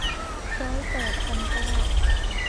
ร้อยแปดพันเก้า